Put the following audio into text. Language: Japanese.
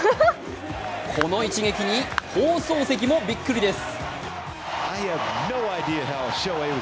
この一撃に放送席もビックリです。